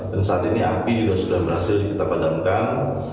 dan saat ini api sudah berhasil kita padamkan